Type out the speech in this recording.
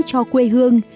cho quê hương